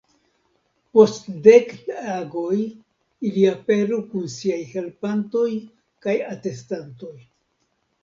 Post dek tagoj ili aperu kun siaj helpantoj kaj atestantoj!